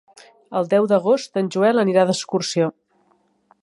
El deu d'agost en Joel anirà d'excursió.